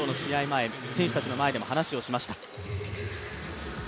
前、選手たちの前でも話をしました。